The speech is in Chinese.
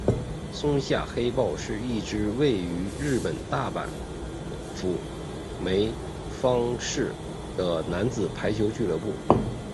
松下黑豹是一支位于日本大阪府枚方市的男子排球俱乐部。